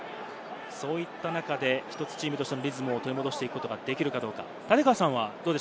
そういった中で１つチームとしてのリズムを取り戻していくことができるかどうか。